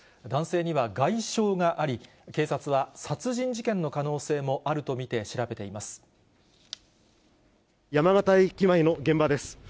男性には外傷があり、警察は殺人事件の可能性もあると見て調べて山形駅前の現場です。